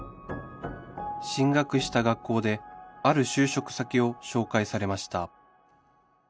進学した学校である就職先を紹介されました